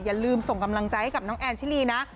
อย่าลืมส่งกำลังใจให้กับน้องแอนชิลีนะ